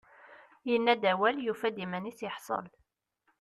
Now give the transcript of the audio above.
Yenna-d awal, yufa-d iman-is iḥṣel.